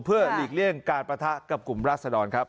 เพื่อหลีกเลี่ยงการปะทะกับกลุ่มราศดรครับ